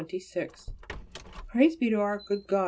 _ Praise be to our Good God!